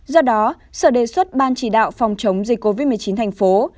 do đó sở đề xuất ban chỉ đạo phòng chống dịch covid một mươi chín thành phố